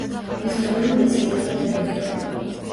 ისტორიულ მეცნიერებათა დოქტორი.